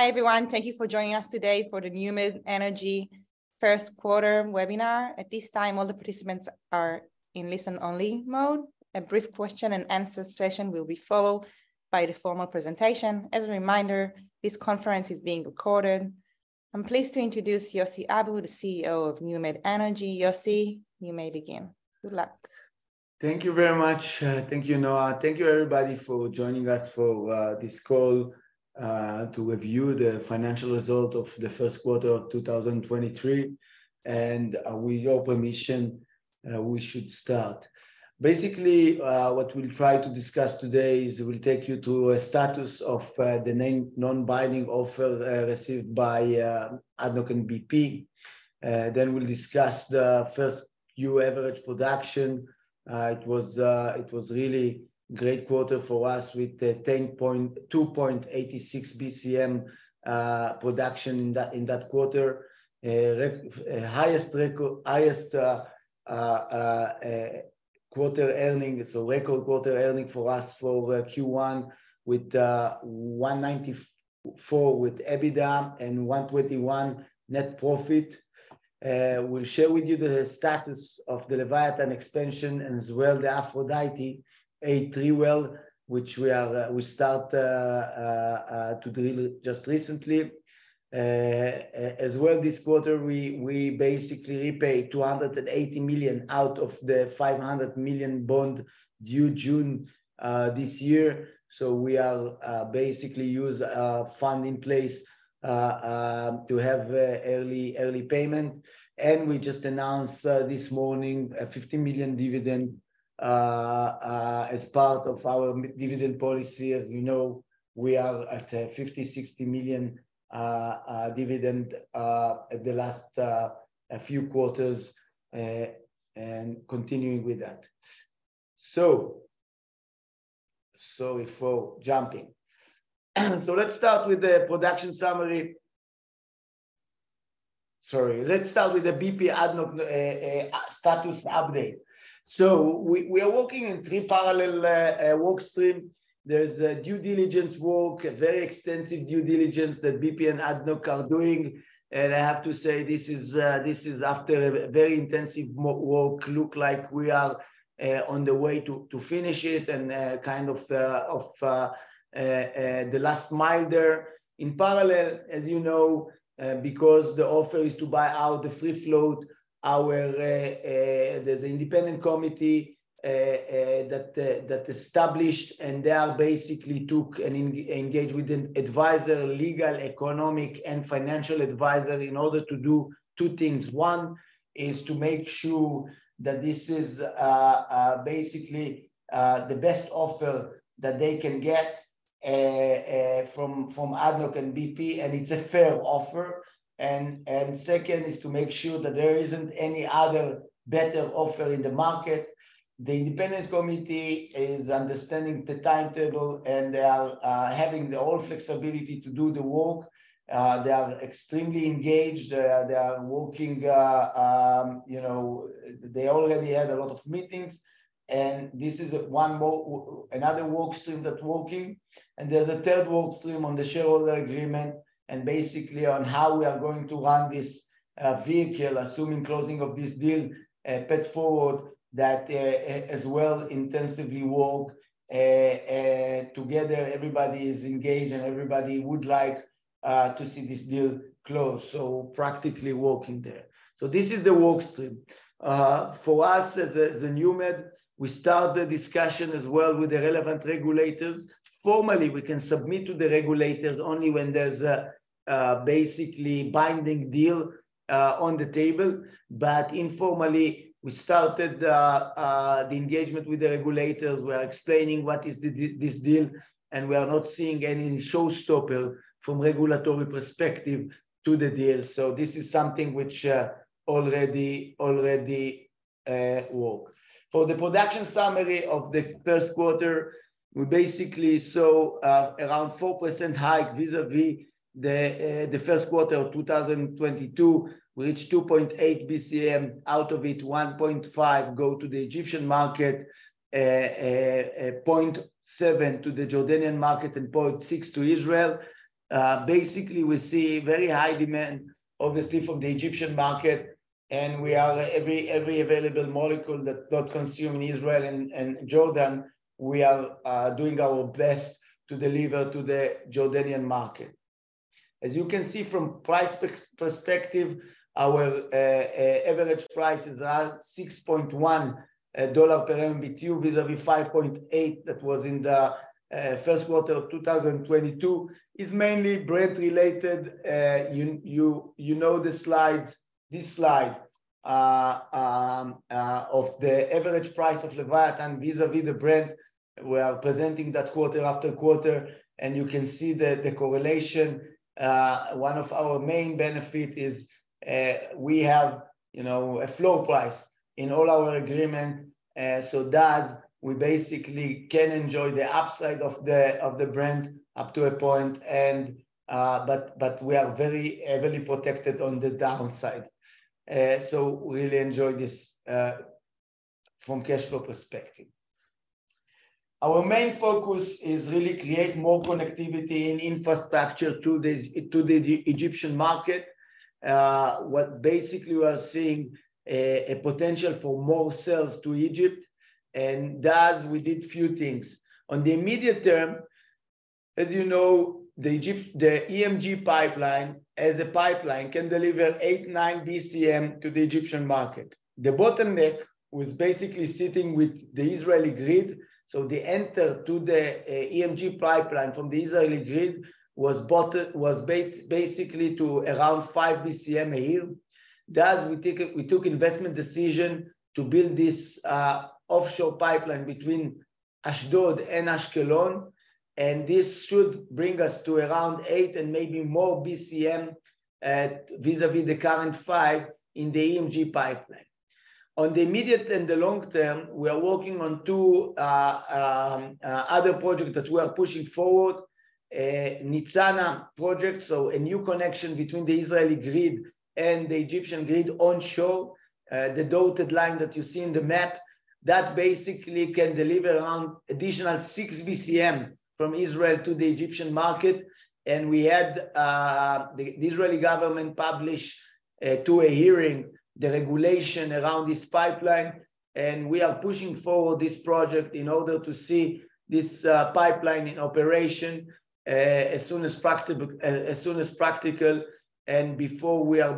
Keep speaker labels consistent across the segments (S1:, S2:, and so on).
S1: Hi, everyone. Thank you for joining us today for the NewMed Energy Q1 webinar. At this time, all the participants are in listen-only mode. A brief question and answer session will be followed by the formal presentation. As a reminder, this conference is being recorded. I'm pleased to introduce Yossi Abu, the CEO of NewMed Energy. Yossi, you may begin. Good luck.
S2: Thank you very much. Thank you, Noa. Thank you, everybody, for joining us for this call to review the financial result of the Q1 of 2023. With your permission, we should start. Basically, what we'll try to discuss today is we'll take you to a status of the non-binding offer received by ADNOC and BP. We'll discuss the first few average production. It was a really great quarter for us with 2.86 BCM production in that quarter. highest record quarter earning. Record quarter earning for us for Q1 with $194 with EBITDA and $121 net profit. We'll share with you the status of the Leviathan expansion and as well the Aphrodite-A-three well, which we start to drill just recently. As well this quarter, we basically repay $280 million out of the $500 million bond due June this year, so we are basically use fund in place to have early payment. We just announced this morning a $50 million dividend as part of our dividend policy. As you know, we are at a $50 million-$60 million dividend at the last few quarters, and continuing with that. Sorry for jumping. Sorry, let's start with the production summary. Sorry, let's start with the BP-ADNOC status update. We are working in three parallel work stream. There's a due diligence work, a very extensive due diligence that BP and ADNOC are doing. I have to say this is after a very intensive work, look like we are on the way to finish it and kind of the last mile there. In parallel, as you know, because the offer is to buy out the free float, our, there's an independent committee that established, and they are basically took and engage with an advisor, legal, economic, and financial advisor in order to do two things. One is to make sure that this is basically the best offer that they can get from ADNOC and BP, and it's a fair offer. Second is to make sure that there isn't any other better offer in the market. The independent committee is understanding the timetable, and they are having the whole flexibility to do the work. They are extremely engaged. They are working, you know. They already had a lot of meetings, and this is another work stream that working. There's a third work stream on the shareholder agreement, and basically on how we are going to run this vehicle, assuming closing of this deal, path forward that as well intensively work together. Everybody is engaged and everybody would like to see this deal close, practically working there. This is the work stream. For us as the NewMed, we start the discussion as well with the relevant regulators. Formally, we can submit to the regulators only when there's a basically binding deal on the table. Informally, we started the engagement with the regulators. We are explaining what is this deal, and we are not seeing any showstopper from regulatory perspective to the deal. This is something which already work. For the production summary of the Q1, we basically saw around 4% hike vis-a-vis the Q1 of 2022. We reached 2.8 BCM, out of it 1.5 go to the Egyptian market, 0.7 to the Jordanian market, and 0.6 to Israel. Basically, we see very high demand, obviously from the Egyptian market. We are every available molecule that not consume in Israel and Jordan, we are doing our best to deliver to the Jordanian market. As you can see from price perspective, our average prices are $6.1 per MBTU vis-a-vis $5.8 that was in the Q1 of 2022. It's mainly Brent related. You know this slide of the average price of Leviathan vis-a-vis the Brent. We are presenting that quarter after quarter, and you can see the correlation. One of our main benefit is, we have, you know, a floor price in all our agreement, thus we basically can enjoy the upside of the Brent up to a point, but we are very protected on the downside. Really enjoy this from cash flow perspective. Our main focus is really create more connectivity and infrastructure to the Egyptian market. What basically we are seeing a potential for more sales to Egypt, thus we did few things. On the immediate term, as you know, the EMG pipeline as a pipeline can deliver 8, 9 BCM to the Egyptian market. The bottleneck was basically sitting with the Israeli grid, the enter to the EMG pipeline from the Israeli grid was basically to around 5 BCM a year. Thus we took investment decision to build this offshore pipeline between Ashdod and Ashkelon, and this should bring us to around 8 and maybe more BCM vis-a-vis the current 5 in the EMG pipeline. On the immediate and the long term, we are working on two other projects that we are pushing forward. Nitzana project, so a new connection between the Israeli grid and the Egyptian grid onshore, the dotted line that you see in the map, that basically can deliver around additional 6 BCM from Israel to the Egyptian market. We had the Israeli government publish to a hearing the regulation around this pipeline, and we are pushing forward this project in order to see this pipeline in operation as soon as practical and before we are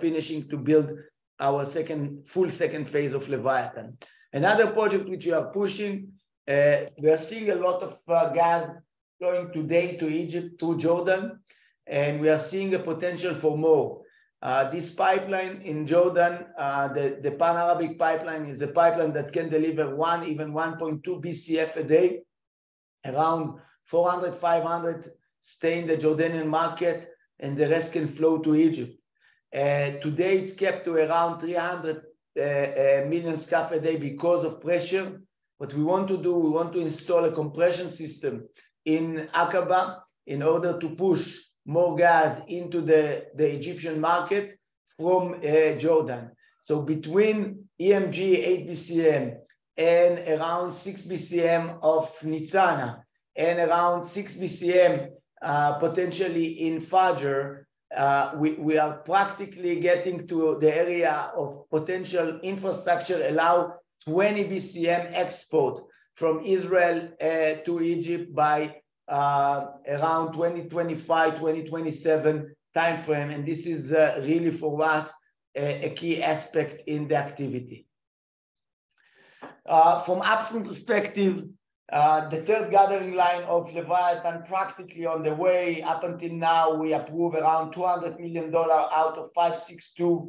S2: finishing to build our second, full second phase of Leviathan. Another project which we are pushing, we are seeing a lot of gas going today to Egypt, to Jordan, and we are seeing a potential for more. This pipeline in Jordan, the Arab Gas Pipeline is a pipeline that can deliver 1, even 1.2 BCF a day. Around 400, 500 stay in the Jordanian market, and the rest can flow to Egypt. Today it's capped to around 300 million scuff a day because of pressure. What we want to do, we want to install a compression system in Aqaba in order to push more gas into the Egyptian market from Jordan. Between EMG 8 BCM and around 6 BCM of Nitzana and around 6 BCM potentially in Fajr, we are practically getting to the area of potential infrastructure allow 20 BCM export from Israel to Egypt by around 2025-2027 timeframe, and this is really for us a key aspect in the activity. From upstream perspective, the third gathering line of Leviathan practically on the way. Up until now, we approve around $200 million out of $562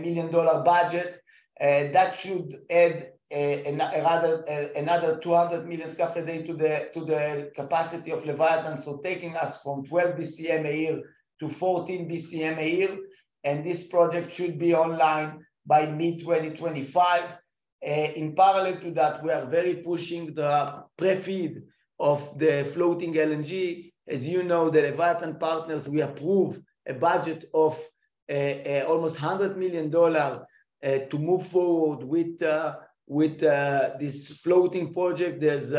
S2: million budget. That should add another 200 million scuff a day to the capacity of Leviathan, so taking us from 12 BCM a year to 14 BCM a year. This project should be online by mid-2025. In parallel to that, we are very pushing the pre-FEED of the Floating LNG. As you know, the Leviathan partners, we approved a budget of almost $100 million to move forward with this floating project. There's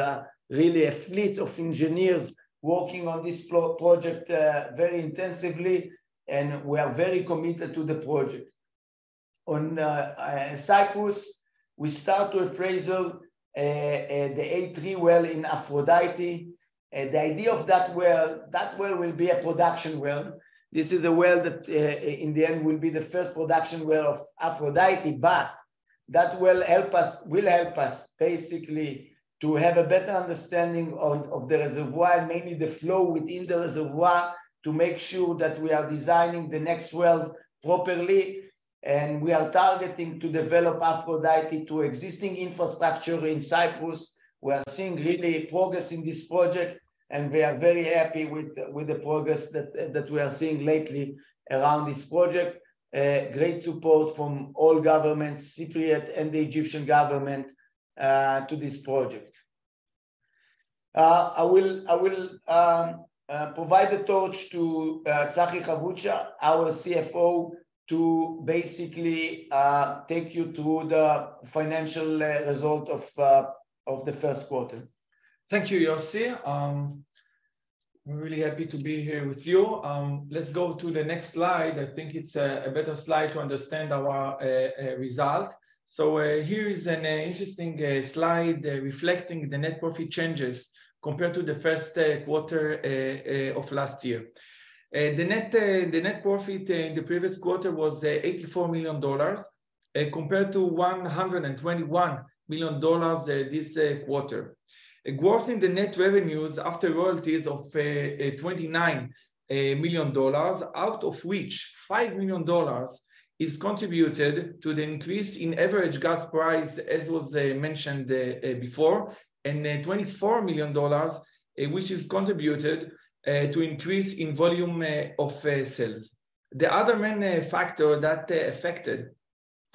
S2: really a fleet of engineers working on this project very intensively, and we are very committed to the project. On Cyprus, we start to appraisal the A-three well in Aphrodite. The idea of that well, that well will be a production well. This is a well that in the end will be the first production well of Aphrodite, but that well will help us basically to have a better understanding of the reservoir, maybe the flow within the reservoir, to make sure that we are designing the next wells properly, and we are targeting to develop Aphrodite to existing infrastructure in Cyprus. We are seeing really progress in this project, and we are very happy with the progress that we are seeing lately around this project. Great support from all governments, Cypriot and the Egyptian government to this project. I will provide the torch to Tzachi Habusha, our CFO, to basically take you through the financial result of the Q1.
S3: Thank you, Yossi. I'm really happy to be here with you. Let's go to the next slide. I think it's a better slide to understand our result. Here is an interesting slide reflecting the net profit changes compared to the Q1 of last year. The net profit in the previous quarter was $84 million compared to $121 million this quarter. A growth in the net revenues after royalties of $29 million, out of which $5 million is contributed to the increase in average gas price as was mentioned before, and $24 million which is contributed to increase in volume of sales. The other main factor that affected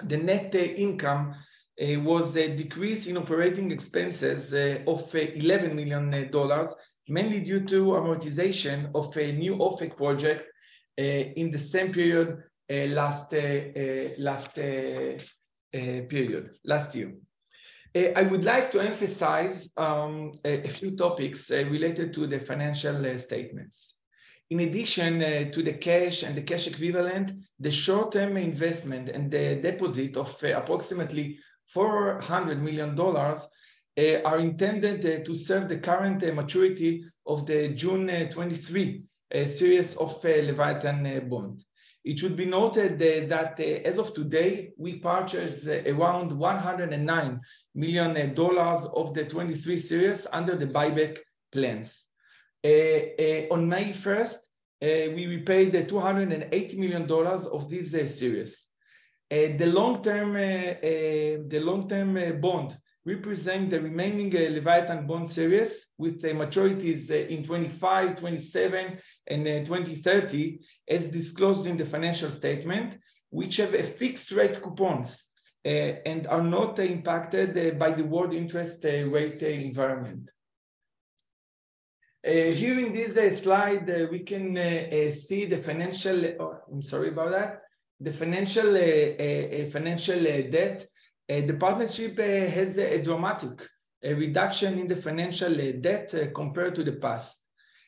S3: the net income was a decrease in operating expenses of $11 million, mainly due to amortization of a new Ofek project in the same period, last period, last year. I would like to emphasize a few topics related to the financial statements. In addition, to the cash and the cash equivalent, the short-term investment and the deposit of approximately $400 million are intended to serve the current maturity of the June 2023 series of Leviathan bond. It should be noted that as of today, we purchased around $109 million of the 2023 series under the buyback plans. On May 1st, we repaid the $280 million of this series. The long-term bond represent the remaining Leviathan bond series with the maturities in 2025, 2027, and 2030, as disclosed in the financial statement, which have fixed rate coupons and are not impacted by the world interest rate environment. Viewing this slide, we can see the financial debt. The partnership has a dramatic reduction in the financial debt compared to the past.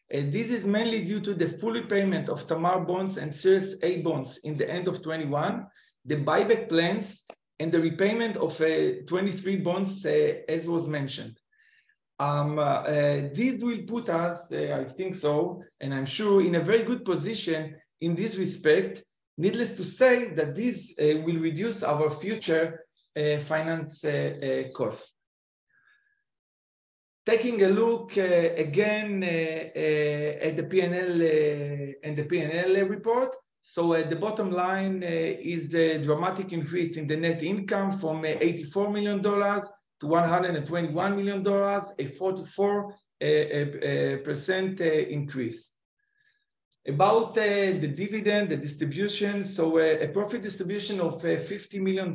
S3: This is mainly due to the full repayment of Tamar bonds and Series A bonds in the end of 2021, the buyback plans, and the repayment of 23 bonds as was mentioned. This will put us, I think so, and I'm sure in a very good position in this respect. Needless to say that this will reduce our future finance costs. Taking a look again at the P&L report. At the bottom line is the dramatic increase in the net income from $84 million - $121 million, a 44% increase. About the dividend, the distribution. A profit distribution of $50 million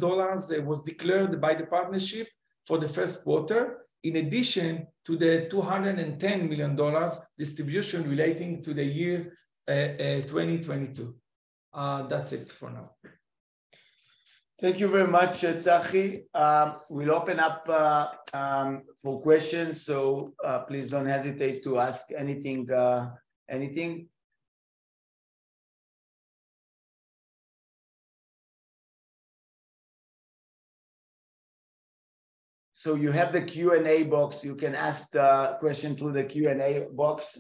S3: was declared by the partnership for the Q1, in addition to the $210 million distribution relating to the year 2022. That's it for now.
S2: Thank you very much, Tzachi. We'll open up for questions. Please don't hesitate to ask anything. You have the Q&A box. You can ask the question through the Q&A box.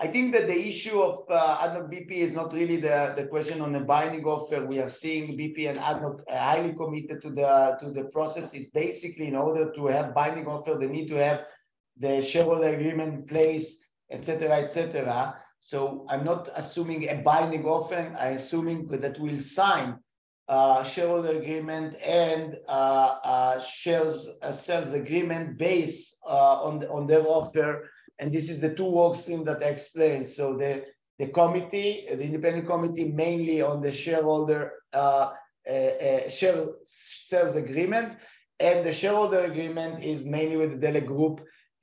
S2: I think that the issue of ADNOC BP is not really the question on the binding offer. We are seeing BP and ADNOC are highly committed to the process. It's basically in order to have binding offer, they need to have the shareholder agreement in place, et cetera, et cetera. I'm not assuming a binding offer. I assuming that we'll sign shareholder agreement and shares, a sales agreement based on their offer, and this is the two work stream that I explained. The committee, the independent committee, mainly on the shareholder share sales agreement, and the shareholder agreement is mainly with Delek Group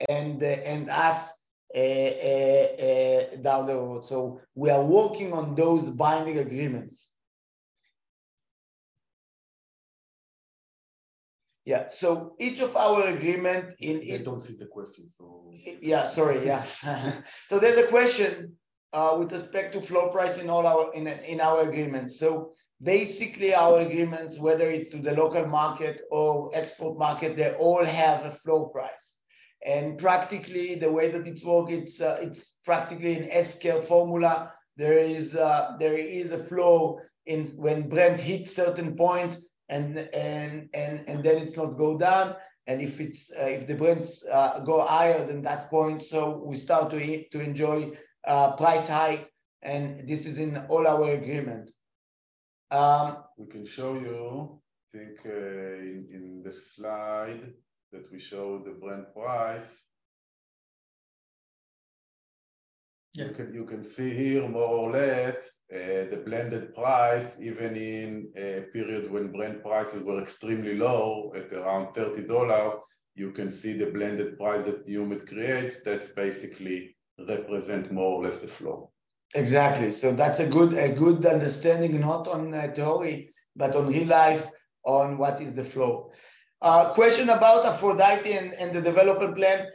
S2: and us down the road. We are working on those binding agreements. Yeah. Each of our agreement.
S1: I don't see the question, so-.
S2: Yeah, sorry. Yeah. There's a question with respect to floor price in all our agreements. Basically, our agreements, whether it's to the local market or export market, they all have a floor price. Practically, the way that it work, it's practically an S-curve formula. There is a floor when Brent hits certain point and then it's not go down. If it's if the Brent go higher than that point, we start to enjoy price hike, and this is in all our agreement.
S1: We can show you, I think, in the slide that we show the Brent price.
S2: Yeah.
S1: You can see here more or less, the blended price, even in periods when Brent prices were extremely low at around $30, you can see the blended price that Yume creates that basically represent more or less the floor.
S2: Exactly. That's a good, a good understanding, not on, but on real life on what is the floor. Question about Aphrodite and the development plan.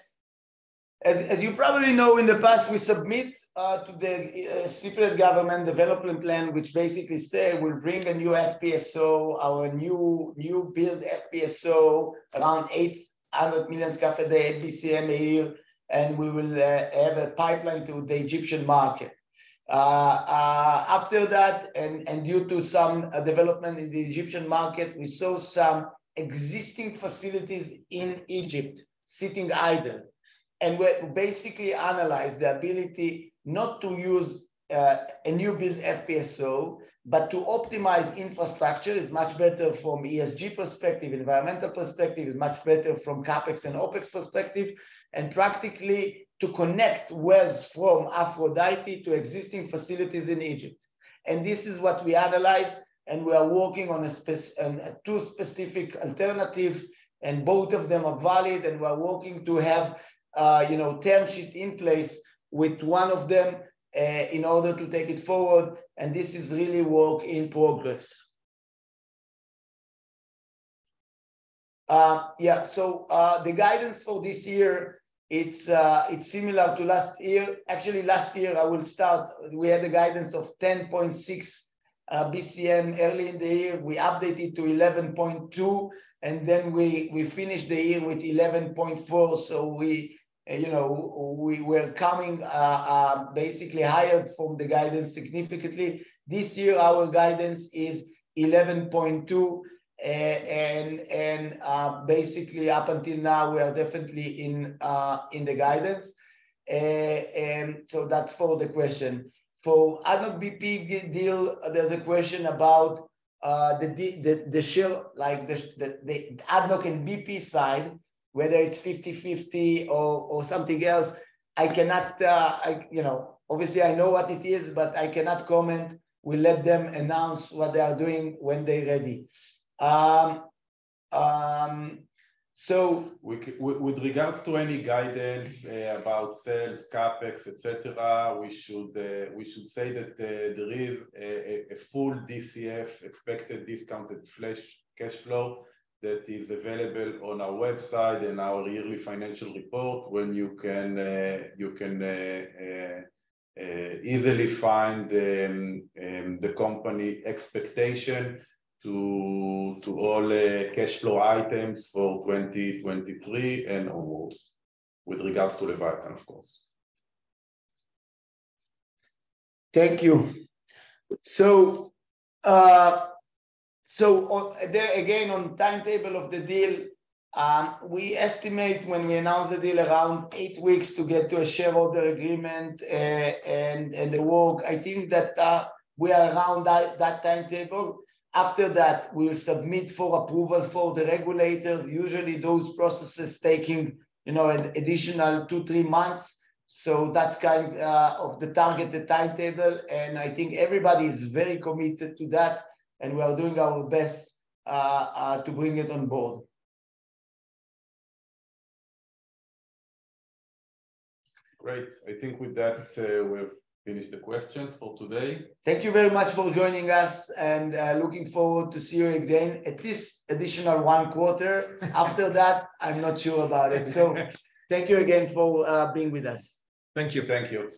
S2: As you probably know, in the past, we submit to the Cypriot government development plan, which basically say we'll bring a new FPSO, our new build FPSO, around 800 million scuff a day, NBCMA year, and we will have a pipeline to the Egyptian market. After that, due to some development in the Egyptian market, we saw some existing facilities in Egypt sitting idle, and we basically analyzed the ability not to use a new build FPSO, but to optimize infrastructure. It's much better from ESG perspective, environmental perspective. It's much better from CapEx and OpEx perspective, practically to connect wells from Aphrodite to existing facilities in Egypt. This is what we analyze, we are working on two specific alternatives, both of them are valid, we are working to have, you know, term sheet in place with one of them in order to take it forward, this is really work in progress. Yeah. The guidance for this year, it's similar to last year. Actually, last year I will start, we had a guidance of 10.6 BCM early in the year. We updated to 11.2, we finished the year with 11.4. We, you know, we were coming basically higher from the guidance significantly. This year, our guidance is 11.2, and basically up until now, we are definitely in the guidance. That's for the question. For other BP deal, there's a question about the share, like, the ADNOC and BP side, whether it's 50/50 or something else, I cannot. You know, obviously I know what it is, but I cannot comment. We'll let them announce what they are doing when they ready.
S1: With regards to any guidance about sales, CapEx, et cetera, we should say that there is a full DCF expected discounted free cash flow that is available on our website and our yearly financial report when you can easily find the company expectation to all cash flow items for 2023 and onwards with regards to Leviathan, of course.
S2: Thank you. Again, on timetable of the deal, we estimate when we announce the deal around eight weeks to get to a shareholder agreement and the work. I think that, we are around that timetable. After that, we'll submit for approval for the regulators. Usually, those processes taking you know an additional 2,3 months. That's kind of the targeted timetable, and I think everybody is very committed to that, and we are doing our best to bring it on board.
S1: Great. I think with that, we've finished the questions for today.
S2: Thank you very much for joining us, and looking forward to see you again at least additional one quarter. After that, I'm not sure about it. Thank you again for being with us.
S1: Thank you. Thank you.